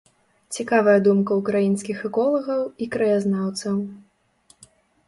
Цікавая думка ўкраінскіх эколагаў і краязнаўцаў.